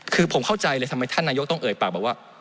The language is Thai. คือผมเข้าใจเลยทำไมท่านนายกต้องเอ่ยปากบอกว่า